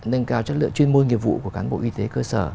nâng cao chất lượng chuyên môn nghiệp vụ của cán bộ y tế cơ sở